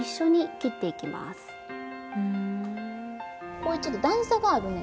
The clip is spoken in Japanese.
こういうちょっと段差があるねんね。